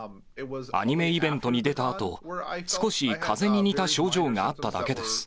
アニメイベントに出たあと、少しかぜに似た症状があっただけです。